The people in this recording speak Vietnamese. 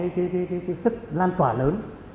cái sức lan tỏa lớn